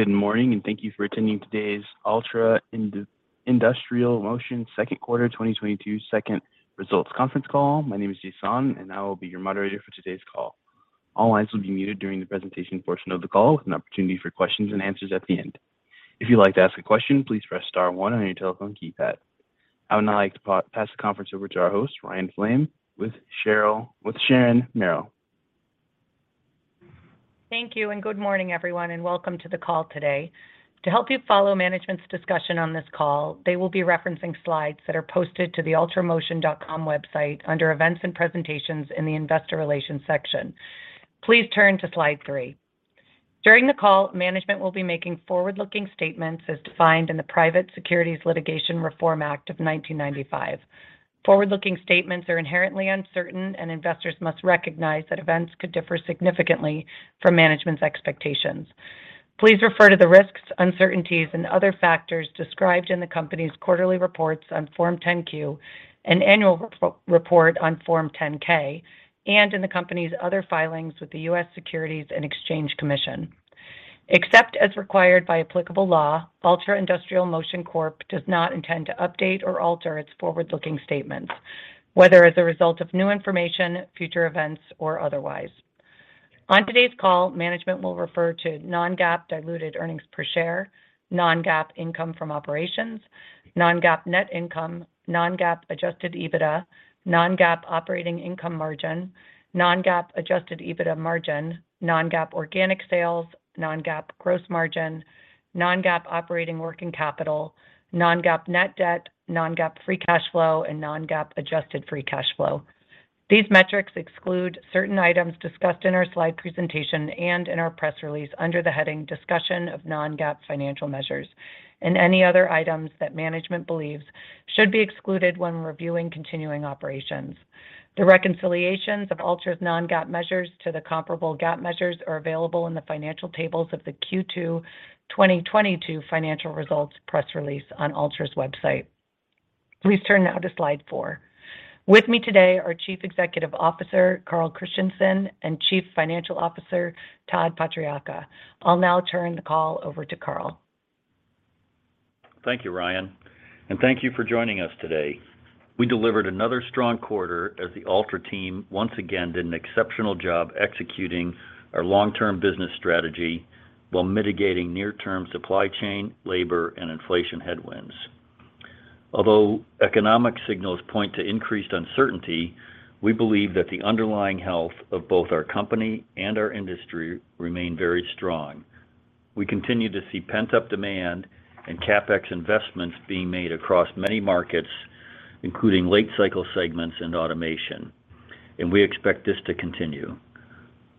Good morning, and thank you for attending today's Altra Industrial Motion second quarter 2022 results conference call. My name is Jason, and I will be your moderator for today's call. All lines will be muted during the presentation portion of the call with an opportunity for questions and answers at the end. If you'd like to ask a question, please press star one on your telephone keypad. I would now like to pass the conference over to our host, Ryan Flaim with Sharon Merrill. Thank you and good morning, everyone, and welcome to the call today. To help you follow management's discussion on this call, they will be referencing slides that are posted to the altramotion.com website under Events and Presentations in the Investor Relations section. Please turn to slide three. During the call, management will be making forward-looking statements as defined in the Private Securities Litigation Reform Act of 1995. Forward-looking statements are inherently uncertain, and investors must recognize that events could differ significantly from management's expectations. Please refer to the risks, uncertainties, and other factors described in the company's quarterly reports on Form 10-Q and annual report on Form 10-K and in the company's other filings with the U.S. Securities and Exchange Commission. Except as required by applicable law, Altra Industrial Motion Corp does not intend to update or alter its forward-looking statements, whether as a result of new information, future events, or otherwise. On today's call, management will refer to Non-GAAP diluted earnings per share, Non-GAAP income from operations, Non-GAAP net income, Non-GAAP adjusted EBITDA, Non-GAAP operating income margin, Non-GAAP adjusted EBITDA margin, Non-GAAP organic sales, Non-GAAP gross margin, Non-GAAP operating working capital, Non-GAAP net debt, Non-GAAP free cash flow, and Non-GAAP adjusted free cash flow. These metrics exclude certain items discussed in our slide presentation and in our press release under the heading Discussion of Non-GAAP Financial Measures and any other items that management believes should be excluded when reviewing continuing operations. The reconciliations of Altra's Non-GAAP measures to the comparable GAAP measures are available in the financial tables of the Q2 2022 financial results press release on Altra's website. Please turn now to slide four. With me today are Chief Executive Officer, Carl Christenson, and Chief Financial Officer, Todd Patriacca. I'll now turn the call over to Carl. Thank you, Ryan, and thank you for joining us today. We delivered another strong quarter as the Altra team once again did an exceptional job executing our long-term business strategy while mitigating near-term supply chain, labor, and inflation headwinds. Although economic signals point to increased uncertainty, we believe that the underlying health of both our company and our industry remain very strong. We continue to see pent-up demand and CapEx investments being made across many markets, including late cycle segments and automation, and we expect this to continue.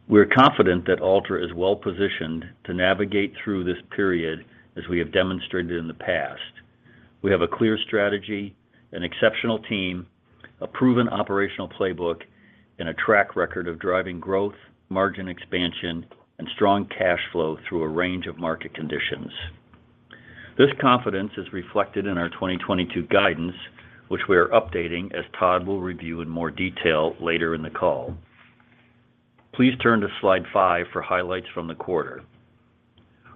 We're confident that Altra is well-positioned to navigate through this period as we have demonstrated in the past. We have a clear strategy, an exceptional team, a proven operational playbook, and a track record of driving growth, margin expansion, and strong cash flow through a range of market conditions. This confidence is reflected in our 2022 guidance, which we are updating as Todd will review in more detail later in the call. Please turn to slide five for highlights from the quarter.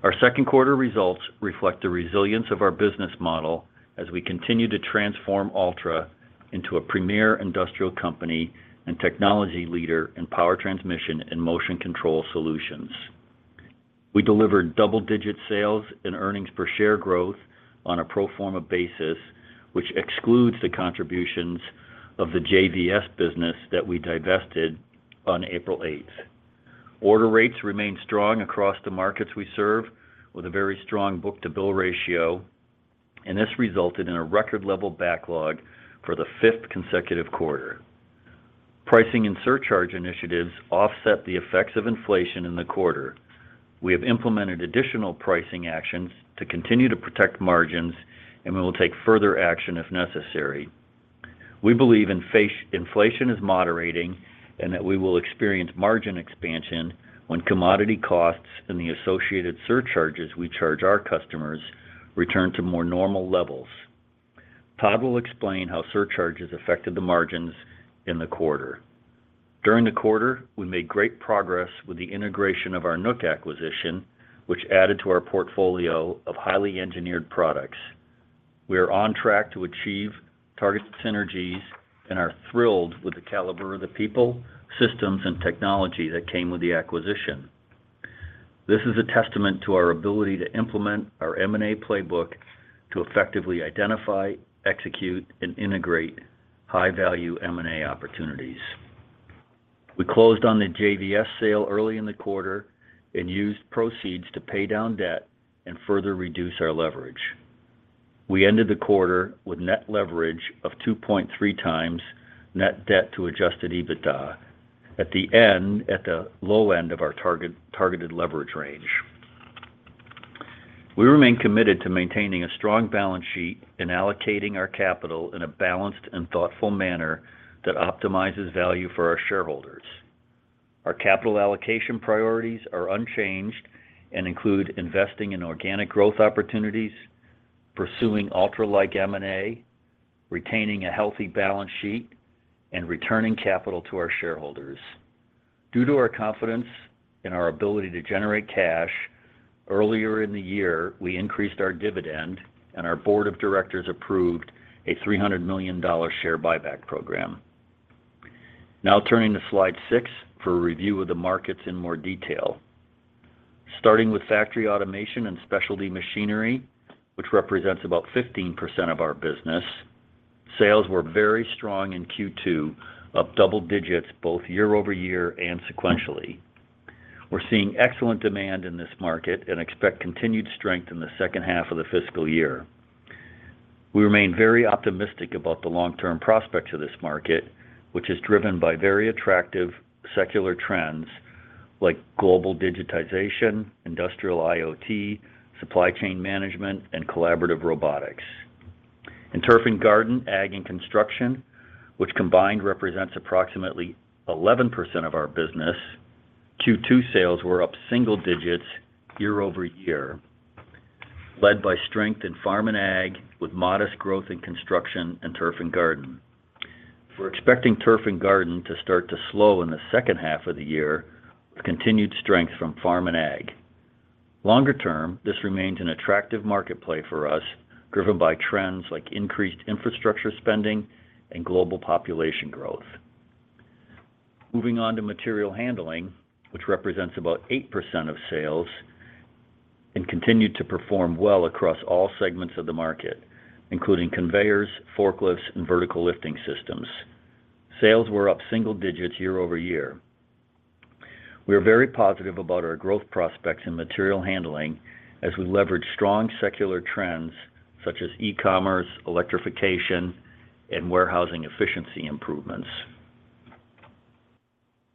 Our second quarter results reflect the resilience of our business model as we continue to transform Altra into a premier industrial company and technology leader in power transmission and motion control solutions. We delivered double-digit sales and earnings per share growth on a pro forma basis, which excludes the contributions of the JVS business that we divested on April 8th. Order rates remain strong across the markets we serve with a very strong book-to-bill ratio, and this resulted in a record level backlog for the fifth consecutive quarter. Pricing and surcharge initiatives offset the effects of inflation in the quarter. We have implemented additional pricing actions to continue to protect margins, and we will take further action if necessary. We believe inflation is moderating, and that we will experience margin expansion when commodity costs and the associated surcharges we charge our customers return to more normal levels. Todd will explain how surcharges affected the margins in the quarter. During the quarter, we made great progress with the integration of our Nook acquisition, which added to our portfolio of highly engineered products. We are on track to achieve targeted synergies and are thrilled with the caliber of the people, systems, and technology that came with the acquisition. This is a testament to our ability to implement our M&A playbook to effectively identify, execute, and integrate high-value M&A opportunities. We closed on the JVS sale early in the quarter and used proceeds to pay down debt and further reduce our leverage. We ended the quarter with net leverage of 2.3 times net debt to adjusted EBITDA at the low end of our target leverage range. We remain committed to maintaining a strong balance sheet and allocating our capital in a balanced and thoughtful manner that optimizes value for our shareholders. Our capital allocation priorities are unchanged and include investing in organic growth opportunities, pursuing Altra-like M&A, retaining a healthy balance sheet and returning capital to our shareholders. Due to our confidence in our ability to generate cash, earlier in the year, we increased our dividend and our board of directors approved a $300 million share buyback program. Now turning to slide six for a review of the markets in more detail. Starting with factory automation and specialty machinery, which represents about 15% of our business, sales were very strong in Q2, up double digits both year-over-year and sequentially. We're seeing excellent demand in this market and expect continued strength in the second half of the fiscal year. We remain very optimistic about the long-term prospects of this market, which is driven by very attractive secular trends like global digitization, industrial IoT, supply chain management, and collaborative robotics. In turf and garden, ag and construction, which combined represents approximately 11% of our business, Q2 sales were up single digits year-over-year, led by strength in farm and ag, with modest growth in construction and turf and garden. We're expecting turf and garden to start to slow in the second half of the year, with continued strength from farm and ag. Longer term, this remains an attractive market play for us, driven by trends like increased infrastructure spending and global population growth. Moving on to material handling, which represents about 8% of sales, and continued to perform well across all segments of the market, including conveyors, forklifts, and vertical lifting systems. Sales were up single digits year-over-year. We are very positive about our growth prospects in material handling as we leverage strong secular trends such as e-commerce, electrification, and warehousing efficiency improvements.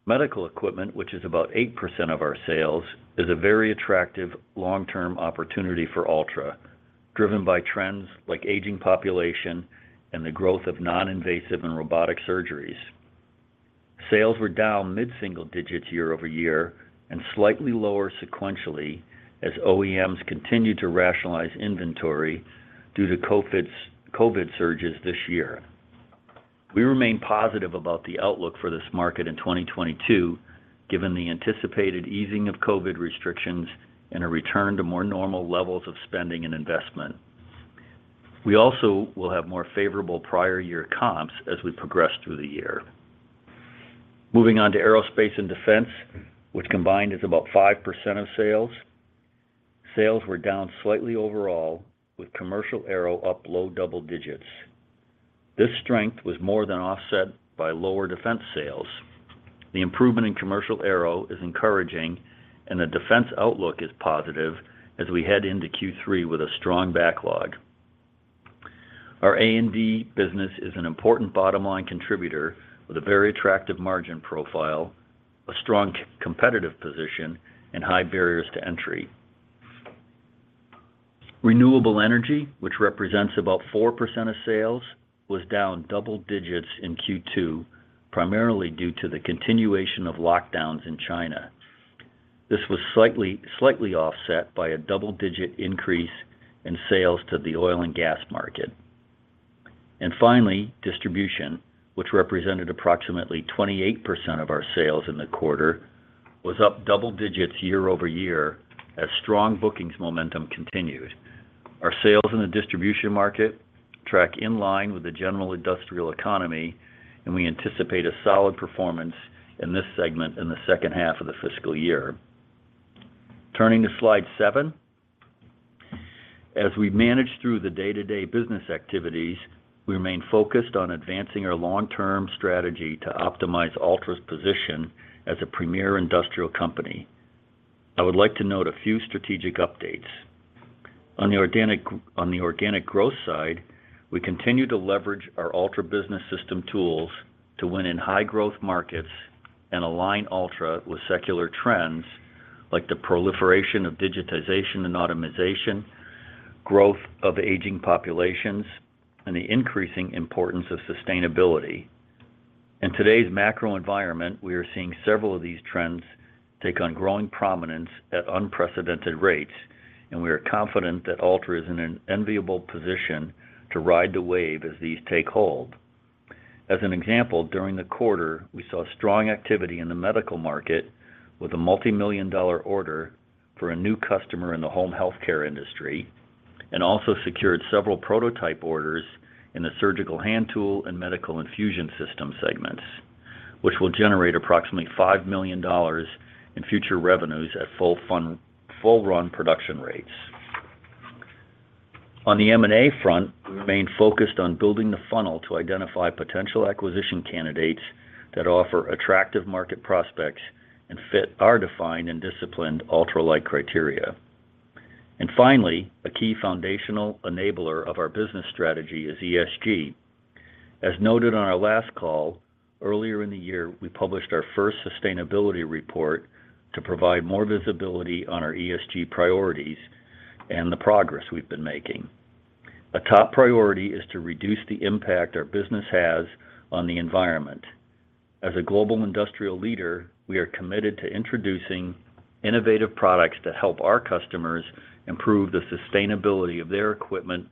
Medical equipment, which is about 8% of our sales, is a very attractive long-term opportunity for Altra, driven by trends like aging population and the growth of non-invasive and robotic surgeries. Sales were down mid-single digits year-over-year and slightly lower sequentially as OEMs continued to rationalize inventory due to COVID surges this year. We remain positive about the outlook for this market in 2022, given the anticipated easing of COVID restrictions and a return to more normal levels of spending and investment. We also will have more favorable prior year comps as we progress through the year. Moving on to aerospace and defense, which combined is about 5% of sales. Sales were down slightly overall, with commercial aero up low double digits. This strength was more than offset by lower defense sales. The improvement in commercial aero is encouraging, and the defense outlook is positive as we head into Q3 with a strong backlog. Our A&D business is an important bottom-line contributor with a very attractive margin profile, a strong competitive position, and high barriers to entry. Renewable energy, which represents about 4% of sales, was down double digits in Q2, primarily due to the continuation of lockdowns in China. This was slightly offset by a double-digit increase in sales to the oil and gas market. Finally, distribution, which represented approximately 28% of our sales in the quarter, was up double digits year-over-year as strong bookings momentum continued. Our sales in the distribution market track in line with the general industrial economy, and we anticipate a solid performance in this segment in the second half of the fiscal year. Turning to slide seven. As we manage through the day-to-day business activities, we remain focused on advancing our long-term strategy to optimize Altra's position as a premier industrial company. I would like to note a few strategic updates. On the organic growth side, we continue to leverage our Altra Business System tools to win in high-growth markets and align Altra with secular trends like the proliferation of digitization and automation, growth of aging populations, and the increasing importance of sustainability. In today's macro environment, we are seeing several of these trends take on growing prominence at unprecedented rates, and we are confident that Altra is in an enviable position to ride the wave as these take hold. As an example, during the quarter, we saw strong activity in the medical market with a multi-million-dollar order for a new customer in the home healthcare industry and also secured several prototype orders in the surgical hand tool and medical infusion system segments, which will generate approximately $5 million in future revenues at full run production rates. On the M&A front, we remain focused on building the funnel to identify potential acquisition candidates that offer attractive market prospects and fit our defined and disciplined Altra-like criteria. Finally, a key foundational enabler of our business strategy is ESG. As noted on our last call, earlier in the year, we published our first sustainability report to provide more visibility on our ESG priorities and the progress we've been making. A top priority is to reduce the impact our business has on the environment. As a global industrial leader, we are committed to introducing innovative products to help our customers improve the sustainability of their equipment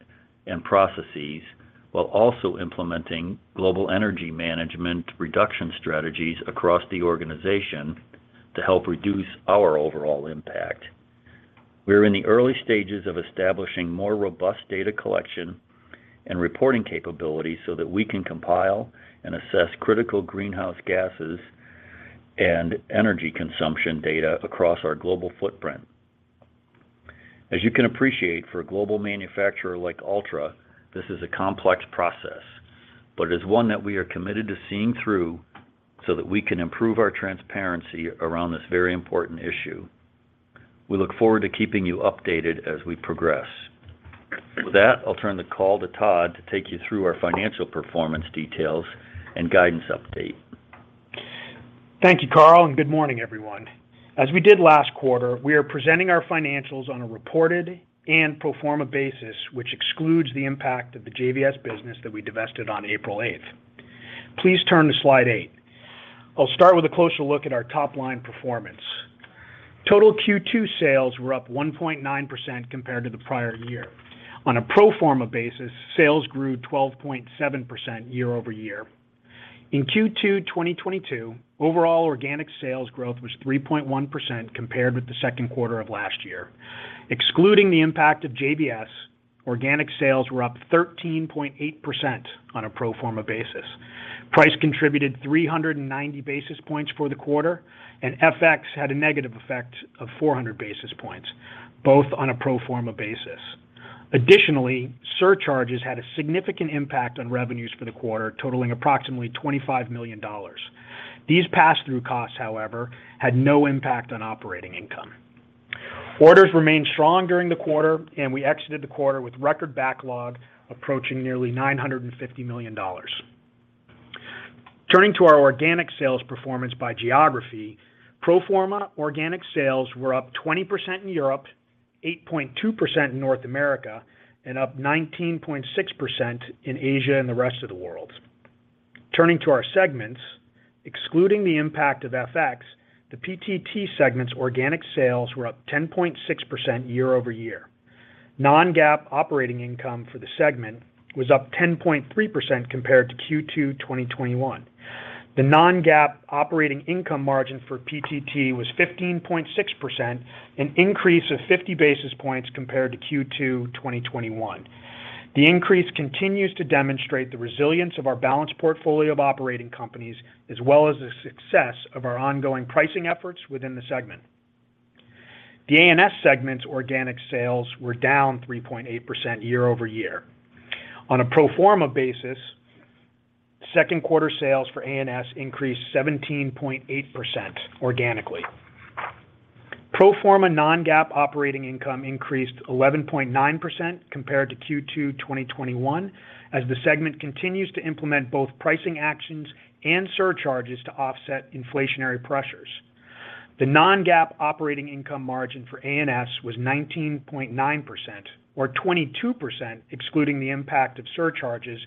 and processes, while also implementing global energy management reduction strategies across the organization to help reduce our overall impact. We are in the early stages of establishing more robust data collection and reporting capabilities so that we can compile and assess critical greenhouse gases and energy consumption data across our global footprint. As you can appreciate, for a global manufacturer like Altra, this is a complex process, but it is one that we are committed to seeing through so that we can improve our transparency around this very important issue. We look forward to keeping you updated as we progress. With that, I'll turn the call to Todd to take you through our financial performance details and guidance update. Thank you, Carl, and good morning, everyone. As we did last quarter, we are presenting our financials on a reported and pro forma basis, which excludes the impact of the JVS business that we divested on April eighth. Please turn to slide eight. I'll start with a closer look at our top-line performance. Total Q2 sales were up 1.9% compared to the prior year. On a pro forma basis, sales grew 12.7% year-over-year. In Q2 2022, overall organic sales growth was 3.1% compared with the second quarter of last year. Excluding the impact of JVS, organic sales were up 13.8% on a pro forma basis. Price contributed 390 basis points for the quarter, and FX had a negative effect of 400 basis points, both on a pro forma basis. Additionally, surcharges had a significant impact on revenues for the quarter, totaling approximately $25 million. These pass-through costs, however, had no impact on operating income. Orders remained strong during the quarter, and we exited the quarter with record backlog approaching nearly $950 million. Turning to our organic sales performance by geography, pro forma organic sales were up 20% in Europe, 8.2% in North America, and up 19.6% in Asia and the rest of the world. Turning to our segments, excluding the impact of FX, the PTT segment's organic sales were up 10.6% year-over-year. Non-GAAP operating income for the segment was up 10.3% compared to Q2 2021. The Non-GAAP operating income margin for PTT was 15.6%, an increase of 50 basis points compared to Q2 2021. The increase continues to demonstrate the resilience of our balanced portfolio of operating companies as well as the success of our ongoing pricing efforts within the segment. The A&S segment's organic sales were down 3.8% year-over-year. On a pro forma basis, second quarter sales for ANS increased 17.8% organically. Pro forma Non-GAAP operating income increased 11.9% compared to Q2 2021 as the segment continues to implement both pricing actions and surcharges to offset inflationary pressures. The Non-GAAP operating income margin for ANS was 19.9% or 22% excluding the impact of surcharges,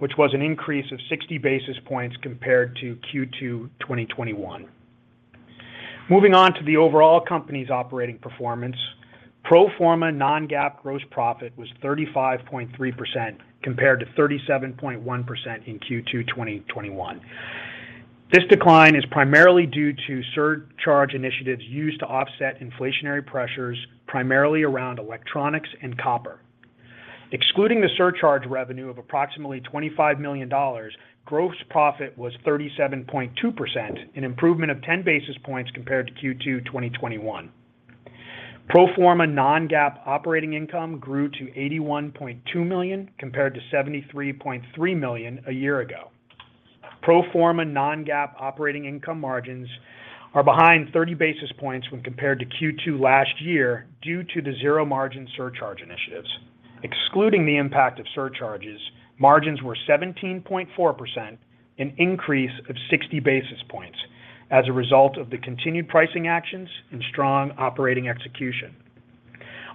which was an increase of 60 basis points compared to Q2 2021. Moving on to the overall company's operating performance. Pro forma Non-GAAP gross profit was 35.3% compared to 37.1% in Q2 2021. This decline is primarily due to surcharge initiatives used to offset inflationary pressures primarily around electronics and copper. Excluding the surcharge revenue of approximately $25 million, gross profit was 37.2%, an improvement of 10 basis points compared to Q2 2021. Pro forma Non-GAAP operating income grew to $81.2 million compared to $73.3 million a year ago. Pro forma Non-GAAP operating income margins are behind 30 basis points when compared to Q2 last year due to the zero margin surcharge initiatives. Excluding the impact of surcharges, margins were 17.4%, an increase of 60 basis points as a result of the continued pricing actions and strong operating execution.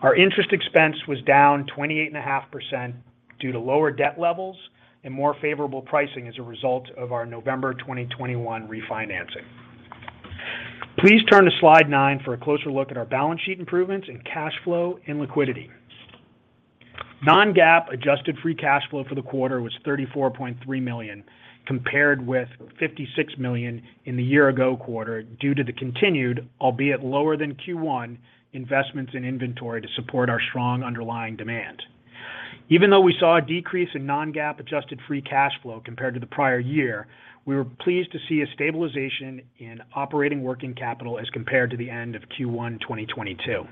Our interest expense was down 28.5% due to lower debt levels and more favorable pricing as a result of our November 2021 refinancing. Please turn to slide nine for a closer look at our balance sheet improvements and cash flow and liquidity. Non-GAAP adjusted free cash flow for the quarter was $34.3 million compared with $56 million in the year ago quarter due to the continued, albeit lower than Q1, investments in inventory to support our strong underlying demand. Even though we saw a decrease in Non-GAAP adjusted free cash flow compared to the prior year, we were pleased to see a stabilization in operating working capital as compared to the end of Q1 2022.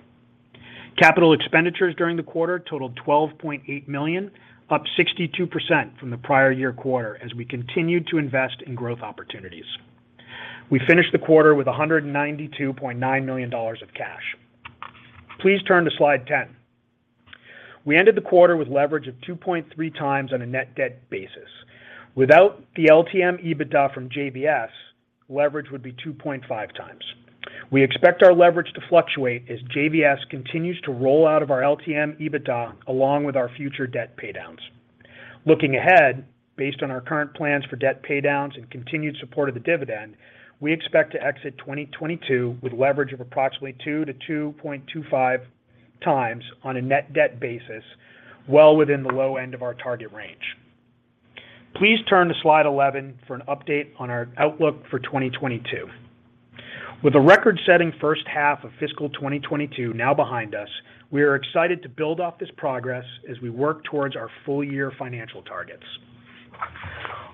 Capital expenditures during the quarter totaled $12.8 million, up 62% from the prior year quarter as we continued to invest in growth opportunities. We finished the quarter with $192.9 million of cash. Please turn to slide 10. We ended the quarter with leverage of 2.3 times on a net debt basis. Without the LTM EBITDA from JVS, leverage would be 2.5 times. We expect our leverage to fluctuate as JVS continues to roll out of our LTM EBITDA along with our future debt pay downs. Looking ahead, based on our current plans for debt pay downs and continued support of the dividend, we expect to exit 2022 with leverage of approximately 2 times-2.25 times on a net debt basis, well within the low end of our target range. Please turn to slide 11 for an update on our outlook for 2022. With a record-setting first half of fiscal 2022 now behind us, we are excited to build off this progress as we work towards our full year financial targets.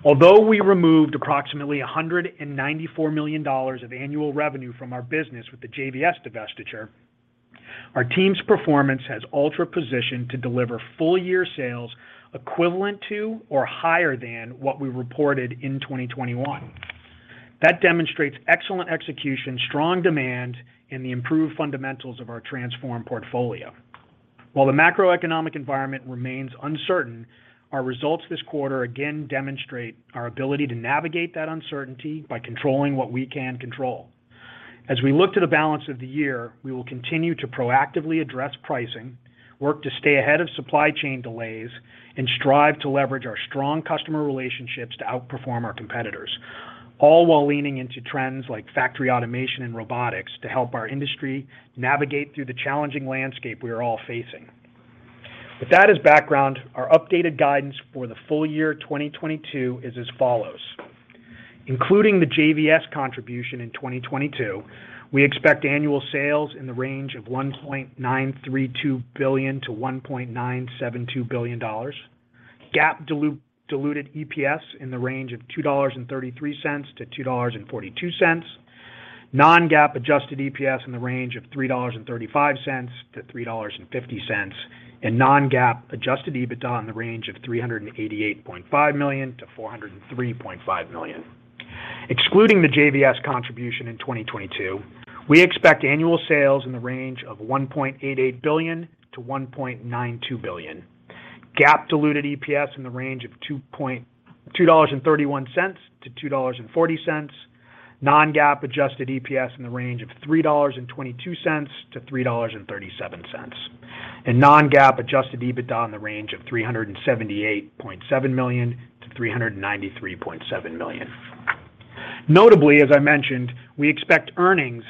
Although we removed approximately $194 million of annual revenue from our business with the JVS divestiture, our team's performance has Altra positioned to deliver full year sales equivalent to or higher than what we reported in 2021. That demonstrates excellent execution, strong demand, and the improved fundamentals of our transformed portfolio. While the macroeconomic environment remains uncertain, our results this quarter again demonstrate our ability to navigate that uncertainty by controlling what we can control. As we look to the balance of the year, we will continue to proactively address pricing, work to stay ahead of supply chain delays, and strive to leverage our strong customer relationships to outperform our competitors, all while leaning into trends like factory automation and robotics to help our industry navigate through the challenging landscape we are all facing. With that as background, our updated guidance for the full year 2022 is as follows. Including the JVS contribution in 2022, we expect annual sales in the range of $1.932 billion-$1.972 billion. GAAP diluted EPS in the range of $2.33-$2.42. Non-GAAP adjusted EPS in the range of $3.35-$3.50. Non-GAAP adjusted EBITDA in the range of $388.5 million-$403.5 million. Excluding the JVS contribution in 2022, we expect annual sales in the range of $1.88 billion-$1.92 billion. GAAP diluted EPS in the range of $2.31-$2.40. Non-GAAP adjusted EPS in the range of $3.22-$3.37. Non-GAAP adjusted EBITDA in the range of $378.7 million-$393.7 million. Notably, as I mentioned, we expect earnings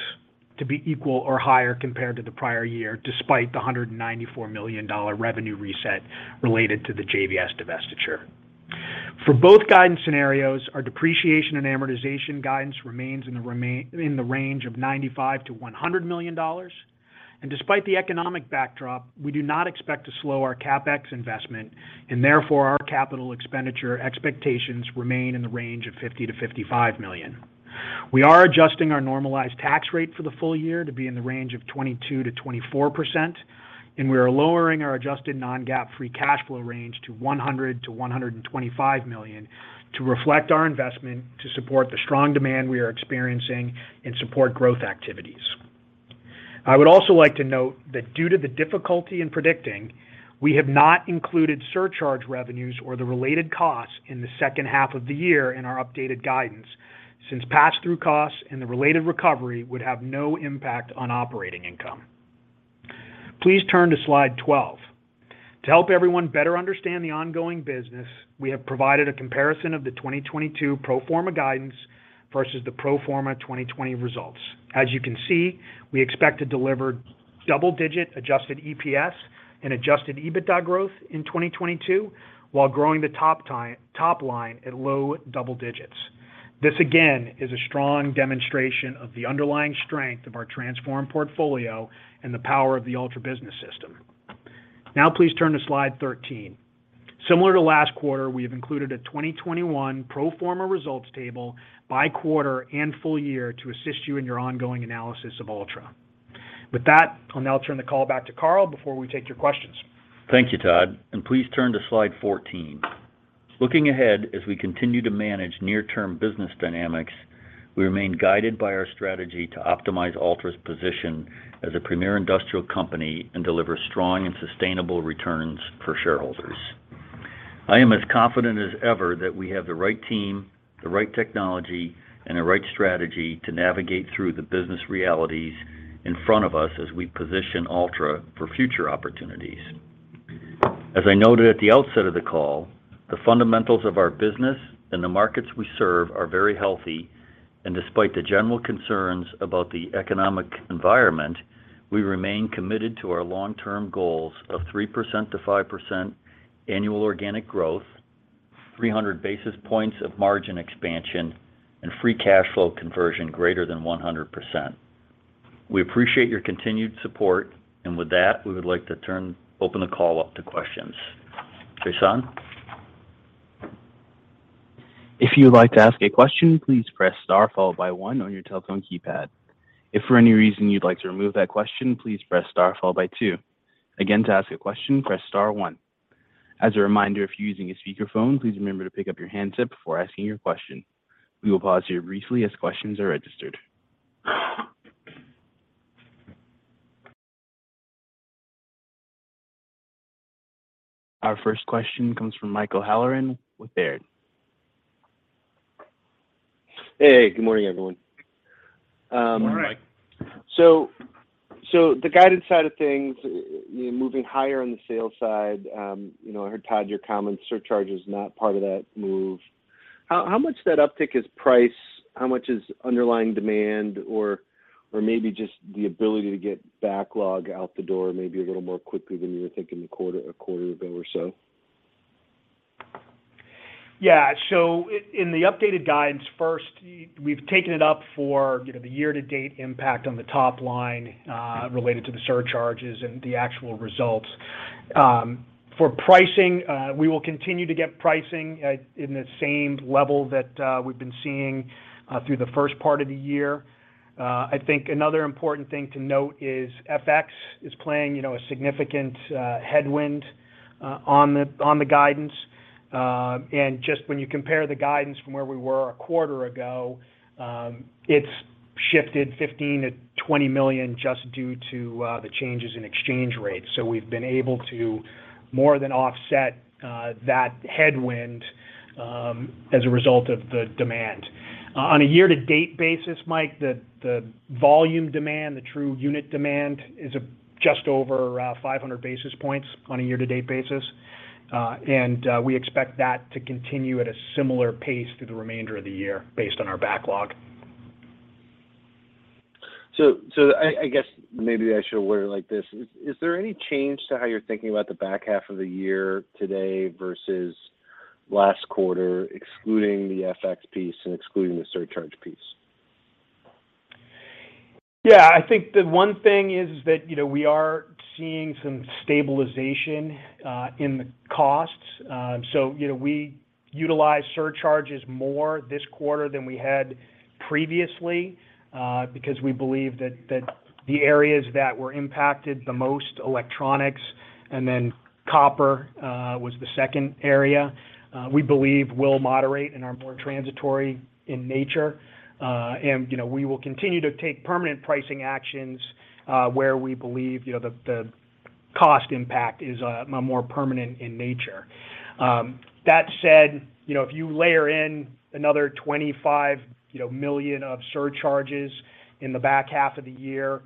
to be equal or higher compared to the prior year, despite the $194 million revenue reset related to the JVS divestiture. For both guidance scenarios, our depreciation and amortization guidance remains in the range of $95 million-$100 million. Despite the economic backdrop, we do not expect to slow our CapEx investment and therefore, our capital expenditure expectations remain in the range of $50 million-$55 million. We are adjusting our normalized tax rate for the full year to be in the range of 22%-24%, and we are lowering our adjusted Non-GAAP free cash flow range to $100 million-$125 million to reflect our investment to support the strong demand we are experiencing and support growth activities. I would also like to note that due to the difficulty in predicting, we have not included surcharge revenues or the related costs in the second half of the year in our updated guidance, since pass-through costs and the related recovery would have no impact on operating income. Please turn to slide 12. To help everyone better understand the ongoing business, we have provided a comparison of the 2022 pro forma guidance versus the pro forma 2020 results. As you can see, we expect to deliver double-digit adjusted EPS and adjusted EBITDA growth in 2022 while growing the top line at low double digits. This again is a strong demonstration of the underlying strength of our transformed portfolio and the power of the Altra Business System. Now please turn to slide 13. Similar to last quarter, we have included a 2021 pro forma results table by quarter and full year to assist you in your ongoing analysis of Altra. With that, I'll now turn the call back to Carl before we take your questions. Thank you, Todd, and please turn to slide 14. Looking ahead, as we continue to manage near-term business dynamics, we remain guided by our strategy to optimize Altra's position as a premier industrial company and deliver strong and sustainable returns for shareholders. I am as confident as ever that we have the right team, the right technology, and the right strategy to navigate through the business realities in front of us as we position Altra for future opportunities. As I noted at the outset of the call, the fundamentals of our business and the markets we serve are very healthy, and despite the general concerns about the economic environment, we remain committed to our long-term goals of 3%-5% annual organic growth, 300 basis points of margin expansion, and free cash flow conversion greater than 100%. We appreciate your continued support, and with that, we would like to open the call up to questions. Jason? If you would like to ask a question, please press star followed by one on your telephone keypad. If for any reason you'd like to remove that question, please press star followed by two. Again, to ask a question, press star one. As a reminder, if you're using a speakerphone, please remember to pick up your handset before asking your question. We will pause here briefly as questions are registered. Our first question comes from Michael Halloran with Baird. Hey, good morning, everyone. Good morning. The guidance side of things, you know, moving higher on the sales side, you know, I heard, Todd, your comment, surcharge is not part of that move. How much of that uptick is price? How much is underlying demand? Or maybe just the ability to get backlog out the door maybe a little more quickly than you were thinking a quarter ago or so? In the updated guidance, first, we've taken it up for, you know, the year-to-date impact on the top line related to the surcharges and the actual results. For pricing, we will continue to get pricing at the same level that we've been seeing through the first part of the year. I think another important thing to note is FX is playing, you know, a significant headwind on the guidance. Just when you compare the guidance from where we were a quarter ago, it's shifted $15 million-$20 million just due to the changes in exchange rates. We've been able to more than offset that headwind as a result of the demand. On a year-to-date basis, Mike, the volume demand, the true unit demand is just over 500 basis points on a year-to-date basis. We expect that to continue at a similar pace through the remainder of the year based on our backlog. I guess maybe I should word it like this. Is there any change to how you're thinking about the back half of the year today versus last quarter, excluding the FX piece and excluding the surcharge piece? Yeah. I think the one thing is that, you know, we are seeing some stabilization in the costs. So you know, we utilized surcharges more this quarter than we had previously, because we believe that the areas that were impacted the most, electronics, and then copper, was the second area, we believe will moderate and are more transitory in nature. And, you know, we will continue to take permanent pricing actions, where we believe, you know, the cost impact is more permanent in nature. That said, you know, if you layer in another $25 million of surcharges in the back half of the year,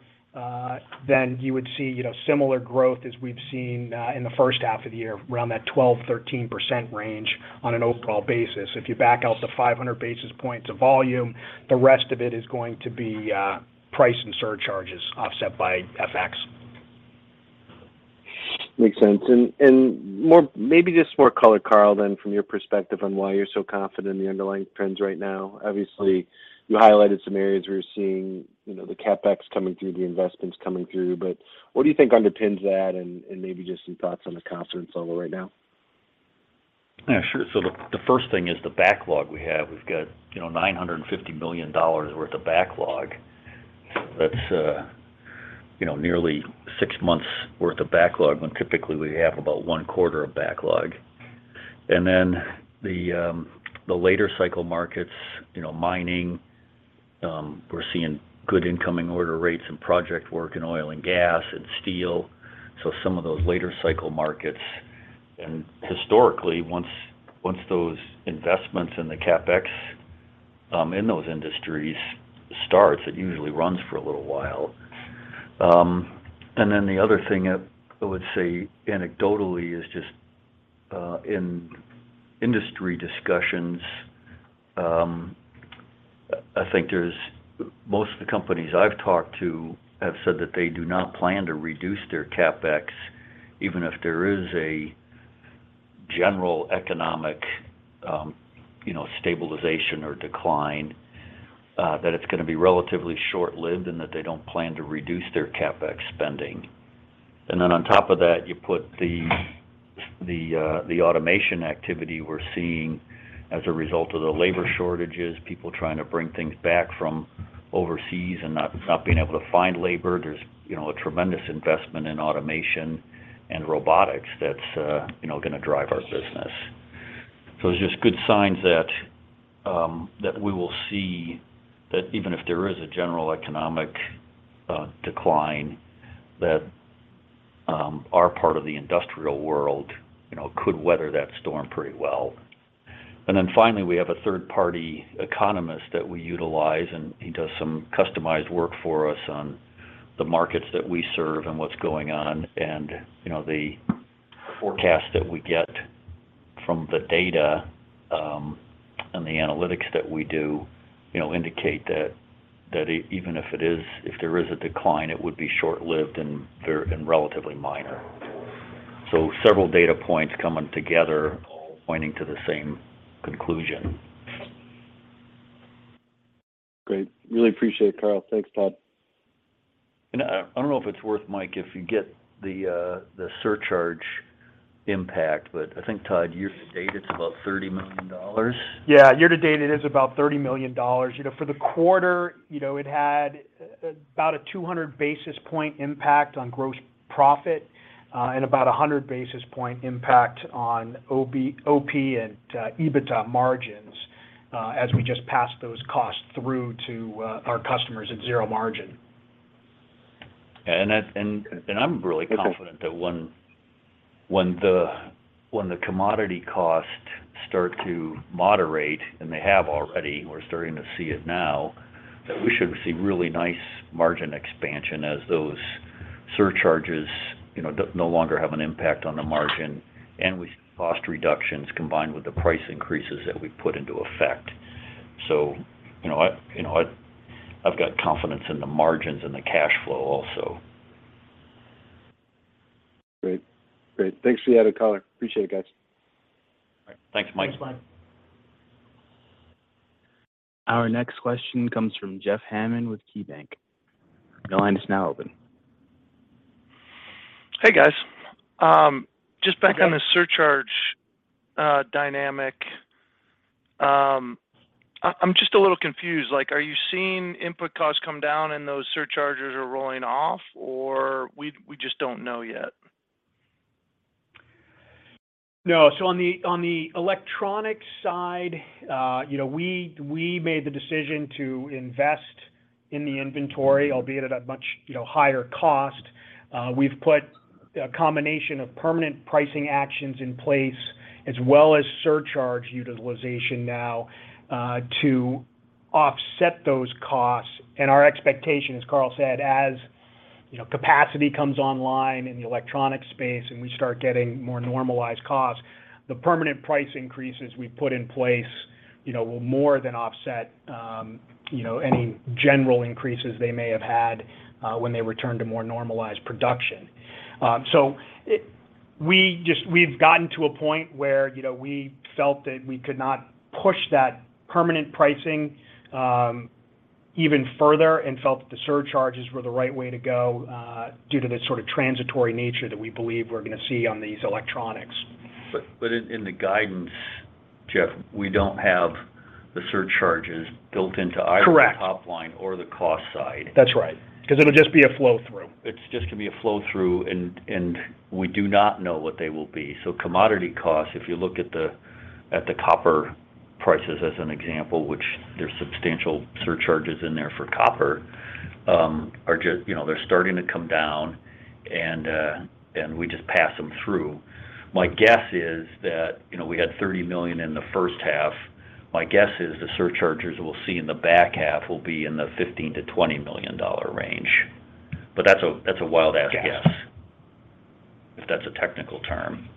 then you would see, you know, similar growth as we've seen in the first half of the year, around that 12%-13% range on an overall basis. If you back out the 500 basis points of volume, the rest of it is going to be price and surcharges offset by FX. Makes sense. Maybe just more color, Carl, then from your perspective on why you're so confident in the underlying trends right now. Obviously, you highlighted some areas where you're seeing, you know, the CapEx coming through, the investments coming through. What do you think underpins that and maybe just some thoughts on the confidence level right now? Yeah, sure. The first thing is the backlog we have. We've got, you know, $950 million worth of backlog. That's, you know, nearly six months worth of backlog when typically we have about one quarter of backlog. The later cycle markets, you know, mining, we're seeing good incoming order rates and project work in oil and gas and steel, so some of those later cycle markets. Historically, once those investments in the CapEx in those industries starts, it usually runs for a little while. The other thing I would say anecdotally is just in industry discussions. I think most of the companies I've talked to have said that they do not plan to reduce their CapEx, even if there is a general economic you know stabilization or decline that it's gonna be relatively short-lived, and that they don't plan to reduce their CapEx spending. On top of that, you put the automation activity we're seeing as a result of the labor shortages, people trying to bring things back from overseas and not being able to find labor. There's you know a tremendous investment in automation and robotics that's you know gonna drive our business. There's just good signs that we will see that even if there is a general economic decline, our part of the industrial world, you know, could weather that storm pretty well. Then finally, we have a third-party economist that we utilize, and he does some customized work for us on the markets that we serve and what's going on. You know, the forecast that we get from the data and the analytics that we do, you know, indicate that even if there is a decline, it would be short-lived and relatively minor. Several data points coming together pointing to the same conclusion. Great. Really appreciate it, Carl. Thanks, Todd. I don't know if it's worth, Mike, if you get the surcharge impact, but I think, Todd, year to date it's about $30 million. Yeah. Year to date it is about $30 million. You know, for the quarter, you know, it had about a 200 basis point impact on gross profit, and about a 100 basis point impact on OP and EBITDA margins, as we just passed those costs through to our customers at zero margin. I'm really confident. Okay. that when the commodity costs start to moderate, and they have already, we're starting to see it now, that we should see really nice margin expansion as those surcharges, you know, no longer have an impact on the margin. With cost reductions combined with the price increases that we put into effect. You know, I've got confidence in the margins and the cash flow also. Great. Thanks for the added color. Appreciate it, guys. All right. Thanks, Mike. Thanks, Mike. Our next question comes from Jeff Hammond with KeyBanc. Your line is now open. Hey, guys. Yeah. on the surcharge, dynamic. I'm just a little confused. Like, are you seeing input costs come down and those surcharges are rolling off or we just don't know yet? No. On the electronics side, you know, we made the decision to invest in the inventory, albeit at a much, you know, higher cost. We've put a combination of permanent pricing actions in place as well as surcharge utilization now to offset those costs. Our expectation, as Carl said, you know, capacity comes online in the electronic space and we start getting more normalized costs, the permanent price increases we put in place, you know, will more than offset any general increases they may have had when they return to more normalized production. We've gotten to a point where, you know, we felt that we could not push that permanent pricing even further and felt that the surcharges were the right way to go, due to the sort of transitory nature that we believe we're gonna see on these electronics. In the guidance, Jeff, we don't have the surcharges built into either. Correct the top line or the cost side. That's right. 'Cause it'll just be a flow-through. It's just gonna be a flow-through, and we do not know what they will be. Commodity costs, if you look at the copper prices as an example, which there's substantial surcharges in there for copper, are just. You know, they're starting to come down, and we just pass them through. My guess is that, you know, we had $30 million in the first half. My guess is the surcharges we'll see in the back half will be in the $15 million-$20 million range. But that's a wild ass guess. If that's a technical term.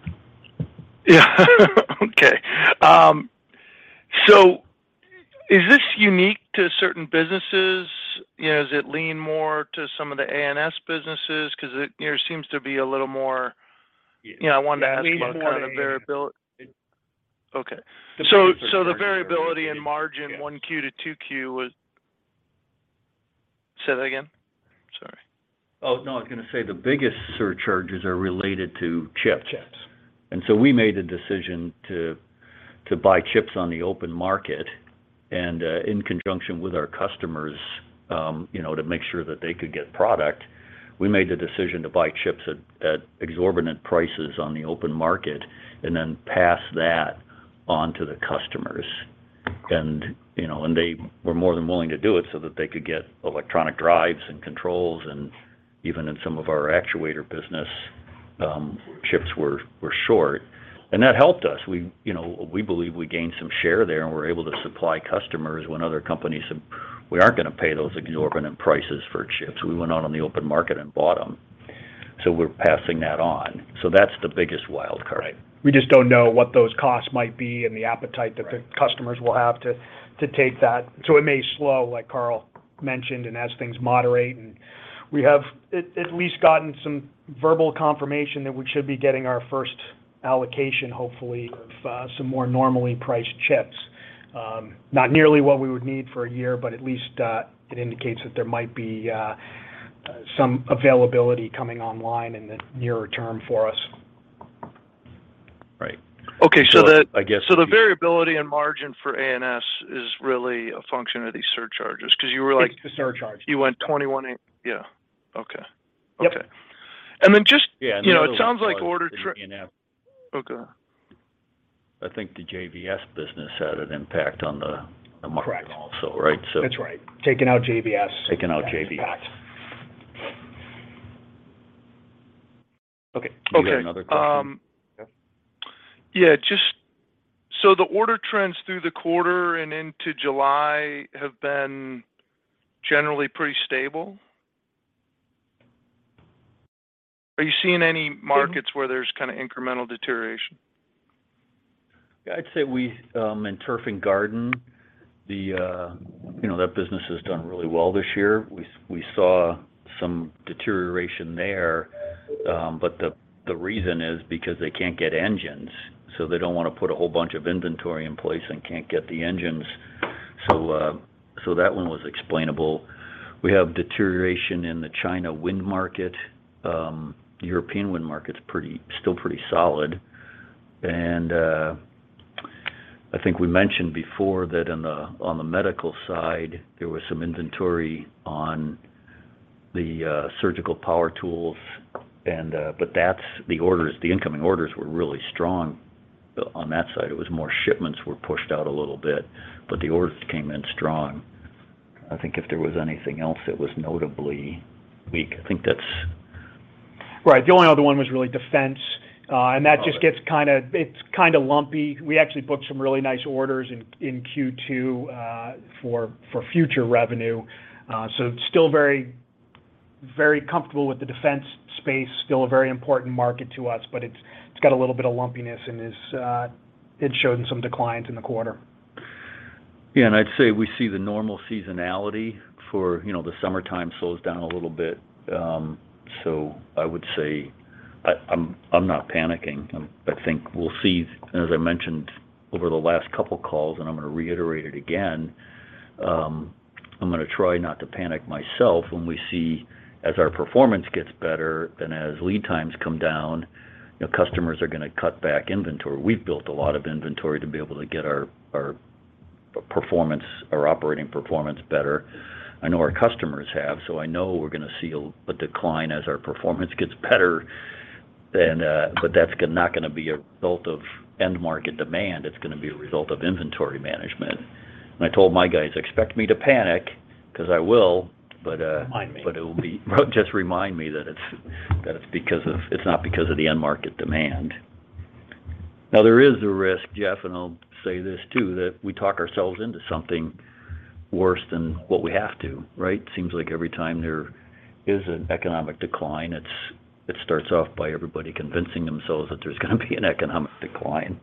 Yeah. Okay. Is this unique to certain businesses? You know, does it lean more to some of the ANS businesses? 'Cause it, you know, seems to be a little more. You know, I wanted to ask about kind of variability. Yeah. Okay. The biggest surcharges are related to chips. The variability in margin 1Q to 2Q was. Say that again? Sorry. Oh, no, I was gonna say the biggest surcharges are related to chips. Chips. We made a decision to buy chips on the open market and in conjunction with our customers, you know, to make sure that they could get product. We made the decision to buy chips at exorbitant prices on the open market and then pass that on to the customers. You know, they were more than willing to do it so that they could get electronic drives and controls, and even in some of our actuator business, chips were short. That helped us. We you know we believe we gained some share there, and we're able to supply customers when other companies said, "We aren't gonna pay those exorbitant prices for chips." We went out on the open market and bought them, so we're passing that on. That's the biggest wild card. Right. We just don't know what those costs might be and the appetite that. Right Customers will have to take that. It may slow, like Carl mentioned, and as things moderate. We have at least gotten some verbal confirmation that we should be getting our first allocation, hopefully, of some more normally priced chips. Not nearly what we would need for a year, but at least it indicates that there might be some availability coming online in the nearer term for us. Right. Okay. So I guess- The variability and margin for ANS is really a function of these surcharges 'cause you were like- It's the surcharges. You went 21.8. Yeah. Okay. Yep. Okay. Yeah. The other one. You know, it sounds like order. was ANS. Okay. I think the JVS business had an impact on the market. Correct also, right. That's right. Taking out JVS. Taking out JVS. that impact. Okay. Okay. Do you have another question, Jeff? Yeah. Just so the order trends through the quarter and into July have been generally pretty stable? Are you seeing any markets where there's kind of incremental deterioration? Yeah. I'd say we in turf and garden, you know, that business has done really well this year. We saw some deterioration there, but the reason is because they can't get engines, so they don't wanna put a whole bunch of inventory in place and can't get the engines. That one was explainable. We have deterioration in the China wind market. European wind market's pretty, still pretty solid. I think we mentioned before that in the on the medical side, there was some inventory on the surgical power tools and but that's the orders. The incoming orders were really strong. On that side, it was more shipments were pushed out a little bit, but the orders came in strong. I think if there was anything else that was notably weak, I think that's- Right. The only other one was really defense, and that just gets kinda lumpy. We actually booked some really nice orders in Q2 for future revenue. So still very, very comfortable with the defense space. Still a very important market to us, but it's got a little bit of lumpiness in this. It showed some declines in the quarter. Yeah. I'd say we see the normal seasonality for, you know, the summertime slows down a little bit, so I would say I'm not panicking. I think we'll see, as I mentioned over the last couple calls, and I'm gonna reiterate it again, I'm gonna try not to panic myself when we see as our performance gets better and as lead times come down, you know, customers are gonna cut back inventory. We've built a lot of inventory to be able to get our performance or operating performance better. I know our customers have, so I know we're gonna see a decline as our performance gets better then, but that's not gonna be a result of end market demand. It's gonna be a result of inventory management. I told my guys, "Expect me to panic, 'cause I will, but- Remind me. It's not because of the end market demand. Now, there is a risk, Jeff, and I'll say this too, that we talk ourselves into something worse than what we have to, right? Seems like every time there is an economic decline, it starts off by everybody convincing themselves that there's gonna be an economic decline.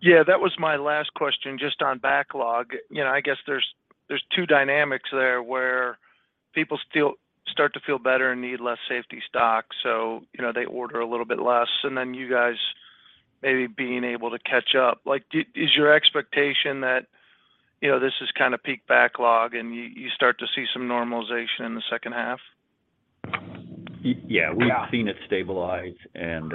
Yeah, that was my last question. Just on backlog, you know, I guess there's two dynamics there where people still start to feel better and need less safety stock, so, you know, they order a little bit less, and then you guys maybe being able to catch up. Like, is your expectation that, you know, this is kind of peak backlog and you start to see some normalization in the second half? Y-yeah. Yeah. We've seen it stabilize and,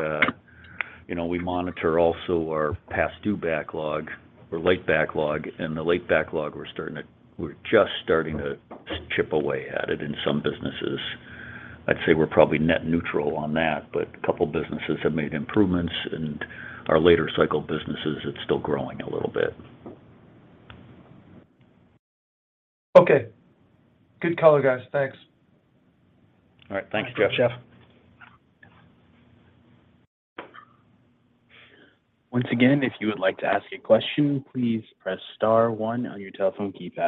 you know, we monitor also our past due backlog or late backlog. The late backlog we're just starting to chip away at it in some businesses. I'd say we're probably net neutral on that, but a couple businesses have made improvements. In our later cycle businesses, it's still growing a little bit. Okay. Good color, guys. Thanks. All right. Thanks, Jeff. Thanks, Jeff. Once again, if you would like to ask a question, please press star one on your telephone keypad.